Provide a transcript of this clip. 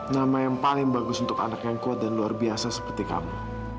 nama yang paling bagus untuk anak yang kuat dan luar biasa seperti kamu